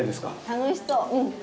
楽しそう。